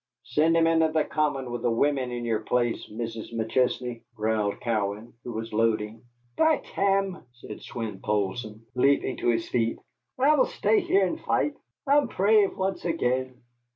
"Send him into the common with the women in yere place, Mis' McChesney," growled Cowan, who was loading. "By tam!" said Swein Poulsson, leaping to his feet, "I vill stay here und fight. I am prave once again."